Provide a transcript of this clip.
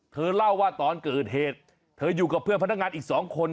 เธอเล่าว่าตอนเกิดเหตุเธออยู่กับเพื่อนพนักงานอีก๒คน